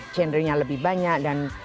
changer nya lebih banyak dan